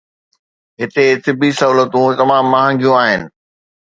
هتي طبي سهولتون تمام مهانگيون آهن